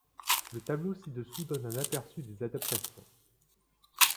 Le tableau ci-dessous donne un aperçu des adaptations.